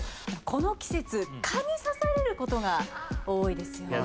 この季節蚊に刺されることが多いですよね。